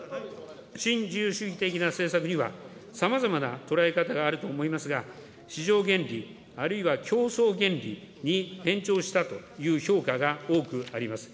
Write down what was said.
新自由主義的な政策には、さまざまな捉え方があると思いますが、市場原理、あるいは競争原理に偏重したという評価が多くあります。